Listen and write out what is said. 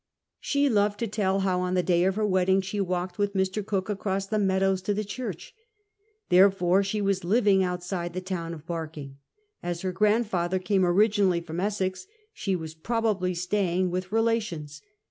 She loved to tell how on the day of her wedding she walked with Mr. Cook across the meadows to the church. Therefore she was living outside the town of Barking. As her grandfather came originally from Essex, she was probably staying with relations.